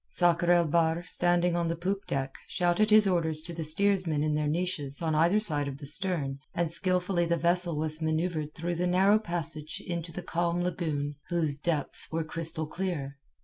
Sakr el Bahr, standing on the poop deck, shouted his orders to the steersmen in their niches on either side of the stern, and skilfully the vessel was manoeuvred through the narrow passage into the calm lagoon whose depths were crystal clear.